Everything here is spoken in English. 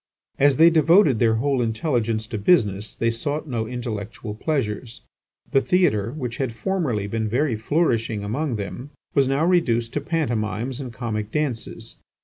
As they devoted their whole intelligence to business, they sought no intellectual pleasures. The theatre, which had formerly been very flourishing among them, was now reduced to pantomimes and comic dances.